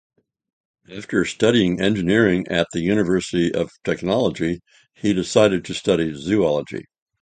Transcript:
After studying engineering at the University of Technology he decided to study zoology.